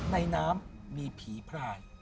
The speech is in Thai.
ในน้ำมีผีพลาย